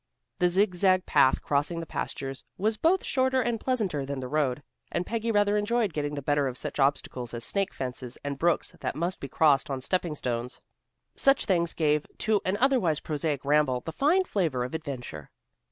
The zig zag path crossing the pastures was both shorter and pleasanter than the road, and Peggy rather enjoyed getting the better of such obstacles as snake fences and brooks that must be crossed on stepping stones. Such things gave to an otherwise prosaic ramble the fine flavor of adventure.